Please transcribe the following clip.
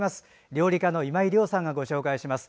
料理家の今井亮さんがご紹介します。